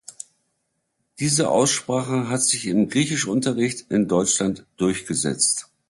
Diese Aussprache hat sich im Griechischunterricht in Deutschland durchgesetzt.